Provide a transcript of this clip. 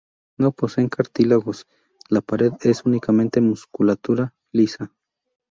No poseen cartílagos, la pared es únicamente musculatura lisa.